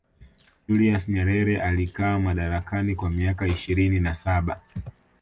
julius nyerere alikaa madarakani kwa miaka ishirini na saba